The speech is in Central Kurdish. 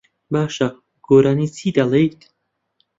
باشە، گۆرانیی چی دەڵێیت؟